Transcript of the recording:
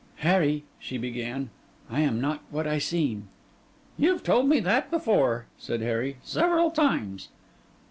'Harry,' she began, 'I am not what I seem.' 'You have told me that before,' said Harry, 'several times.